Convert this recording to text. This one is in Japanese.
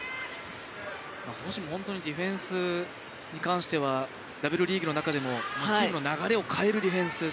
星も本当にディフェンスに関してはＷリーグの中でも、チームの流れを変えるディフェンス。